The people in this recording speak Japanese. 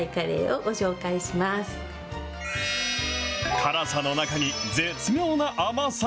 辛さの中に絶妙な甘さ。